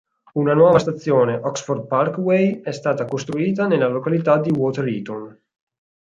Una nuova stazione, Oxford Parkway, è stata costruita nella località di Water Eaton.